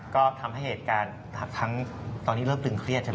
ก็ทำให้เหตุการณ์ทั้งตอนนี้เริ่มตึงเครียดใช่ไหม